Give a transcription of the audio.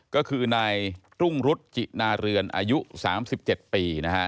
ก็คือนายรุ่งรุษจินาเรือนอายุ๓๗ปีนะฮะ